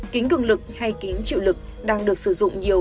kính cường lực hay kín chịu lực đang được sử dụng nhiều